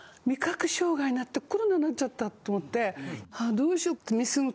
になってコロナになっちゃったと思ってああどうしようって。